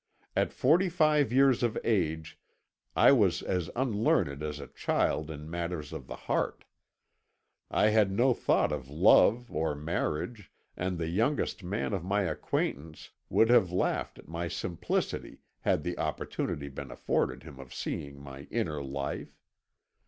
At forty five years of age I was as unlearned as a child in matters of the heart; I had no thought of love or marriage, and the youngest man of my acquaintance would have laughed at my simplicity had the opportunity been afforded him of seeing my inner life.